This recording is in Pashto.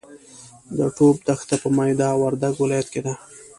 د ټوپ دښته په میدا وردګ ولایت کې ده.